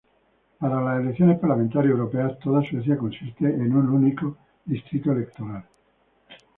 Para las elecciones parlamentarias europeas, toda Suecia consiste en un único distrito electoral.